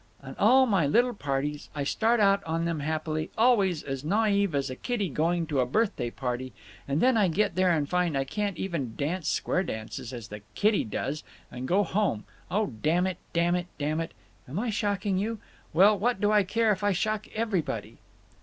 And all my little parties—I start out on them happily, always, as naive as a kiddy going to a birthday party, and then I get there and find I can't even dance square dances, as the kiddy does, and go home—Oh damn it, damn it, damn it! Am I shocking you? Well, what do I care if I shock everybody!"